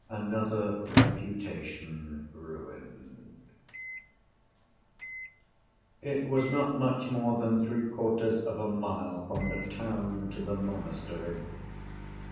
Another Reputation Ruined It was not much more than three‐quarters of a mile from the town to the monastery.